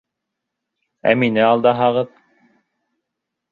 Ә мине алдаһағыҙ?